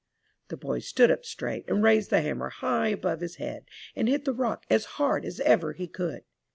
The boy stood up straight and raised the hammer high above his head and hit the rock as hard as ever he could.